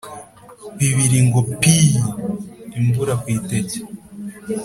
Bibiri ngo piii !!!!!-Imvura ku iteke.